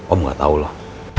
om gak tahu loh